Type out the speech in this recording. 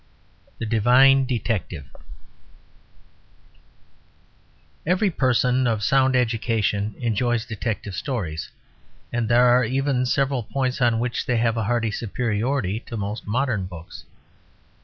THE DIVINE DETECTIVE Every person of sound education enjoys detective stories, and there are even several points on which they have a hearty superiority to most modern books.